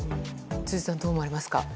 辻さん、どう思われますか？